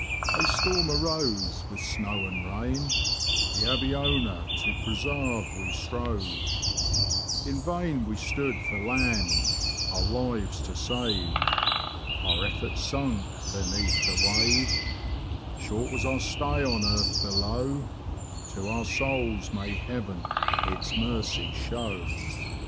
165 A storm arose, with Snow and Rain ; The " Abeona " to presarve we strove ; In Vain we stood for land, our lives to Save — our efforts sunk beneath the wave ; Short was our stay on earth below ; To our souls may Heaven its mercy show.